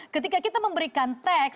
ketika kita memberikan tax